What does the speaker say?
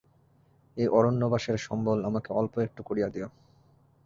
এই অরণ্যবাসের সম্বল আমাকে অল্প-একটু করিয়া দিয়ো।